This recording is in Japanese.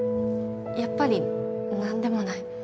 やっぱり何でもない。